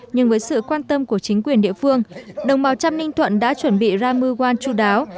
nhưng với sự quan tâm của chính quyền địa phương đồng bào trăm ninh thuận đã chuẩn bị ramuwan chú đáo